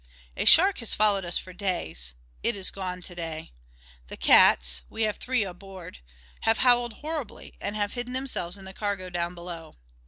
"A shark has followed us for days it is gone to day. The cats we have three on board have howled horribly and have hidden themselves in the cargo down below.